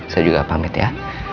saya juga pamit ya